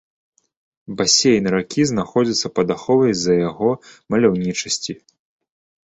Басейн ракі знаходзіцца пад аховай з-за яго маляўнічасці.